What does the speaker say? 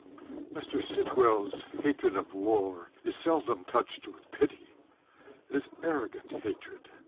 Mr. Sitwell's hatred of war is seldom touched with pity. It is arrogant hatred.